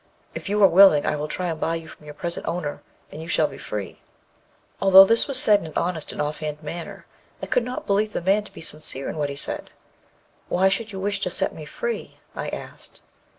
If you are willing I will try and buy you from your present owner, and you shall be free.' Although this was said in an honest and off hand manner, I could not believe the man to be sincere in what he said. 'Why should you wish to set me free?' I asked.